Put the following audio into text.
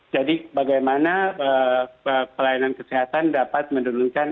jadi bagaimana pelayanan kesehatan dapat menurunkan